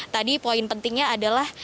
tadi poin pentingnya adalah